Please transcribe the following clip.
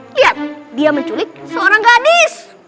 lihat dia menculik seorang gadis